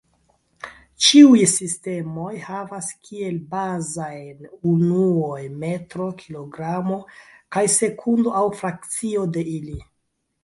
Ĉiuj sistemoj havas kiel bazajn unuoj metro, kilogramo kaj sekundo, aŭ frakcio de ili.